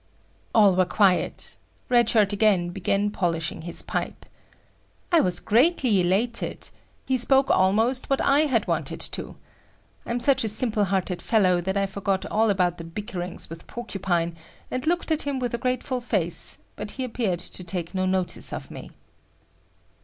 All were quiet. Red Shirt again began polishing his pipe. I was greatly elated. He spoke almost what I had wanted to. I'm such a simple hearted fellow that I forgot all about the bickerings with Porcupine, and looked at him with a grateful face, but he appeared to take no notice of me.